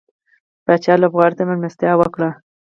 پاچا لوبغاړو ته ملستيا وکړه.